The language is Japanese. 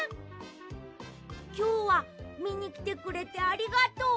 きょうはみにきてくれてありがとう！